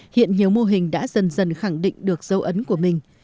hiện nhiều mô hình đã dần dần khẳng định được dấu ấn của mình